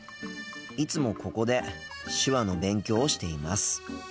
いつもここで手話の勉強をしています。